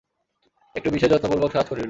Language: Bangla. একটু বিশেষ যত্নপূর্বক সাজ করিল।